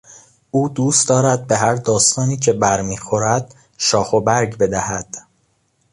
او دوست دارد به هر داستانی که برمیخورد شاخ و برگ بدهد.